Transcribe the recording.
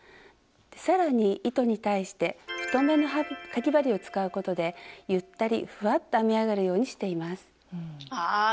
さらに糸に対して太めのかぎ針を使うことでゆったりふわっと編み上がるようにしています。